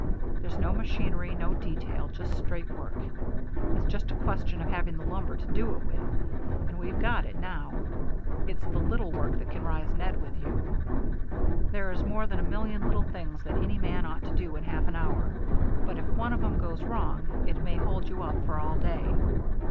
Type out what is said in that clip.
There's no machinery, no details, just straight work. It's just a question of having the lumber to do it with, and we've got it now. It's the little work that can raise Ned with you. There is more than a million little things that any man ought to do in half an hour, but if one of 'em goes wrong, it may hold you up for all day.